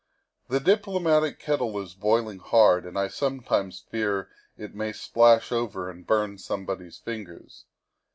" The diplomatic kettle is boiling hard, and I sometimes fear it may splash over and burn somebody's fingers.